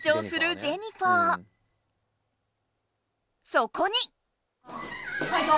そこに。